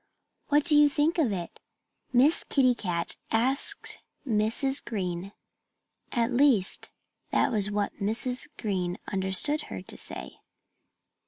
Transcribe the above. "What do you think of that?" Miss Kitty Cat asked Mrs. Green. At least, that was what Mrs. Green understood her to say.